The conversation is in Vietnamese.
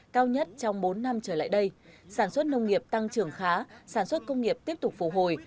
cao nhất trong bốn năm trở lại đây sản xuất nông nghiệp tăng trưởng khá sản xuất công nghiệp tiếp tục phù hồi